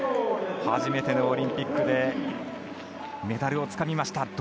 初めてのオリンピックでメダルをつかみました。